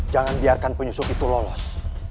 jangan biarkan penyusup itu lolos